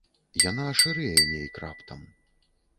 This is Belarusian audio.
Яна шырэе нейк раптам.